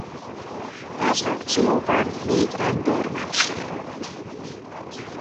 Az akcióban négy rendőr megsérült.